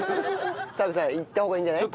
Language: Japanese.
澤部さん言った方がいいんじゃない？